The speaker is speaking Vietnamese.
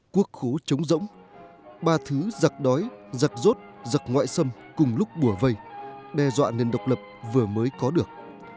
quốc khố chống rỗng ba thứ giặc đói giặc rốt giặc ngoại xâm cùng lúc bùa vây đe dọa nền độc lập vừa mới có được